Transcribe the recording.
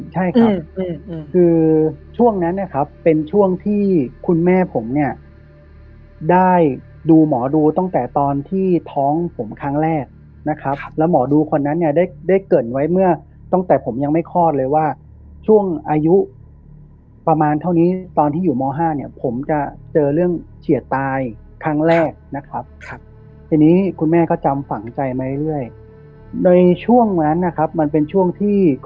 ใช่ครับคือช่วงนั้นนะครับเป็นช่วงที่คุณแม่ผมเนี่ยได้ดูหมอดูตั้งแต่ตอนที่ท้องผมครั้งแรกนะครับแล้วหมอดูคนนั้นเนี่ยได้เกิดไว้เมื่อตั้งแต่ผมยังไม่คลอดเลยว่าช่วงอายุประมาณเท่านี้ตอนที่อยู่ม๕เนี่ยผมจะเจอเรื่องเฉียดตายครั้งแรกนะครับทีนี้คุณแม่ก็จำฝังใจมาเรื่อยในช่วงนั้นนะครับมันเป็นช่วงที่